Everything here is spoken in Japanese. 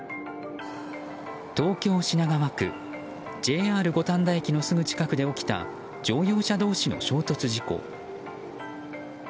東京・品川区ＪＲ五反田駅のすぐ近くで起きた乗用車同士の衝突事故。